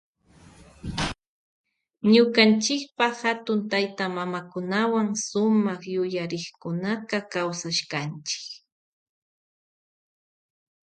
Suma yuyarikuna ñukanchipa hatukukunawa kawsashka.